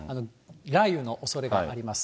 雷雨のおそれもあります。